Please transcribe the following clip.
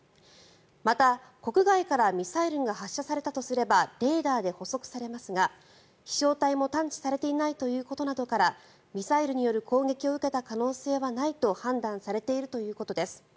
また、国外からミサイルが発射されたとすればレーダーで捕捉されますが飛翔体も探知されていないということなどからミサイルによる攻撃を受けた可能性はないと判断されているということです。